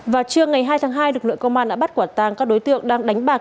vào trưa ngày hai tháng hai lực lượng công an đã bắt quả tang các đối tượng đang đánh bạc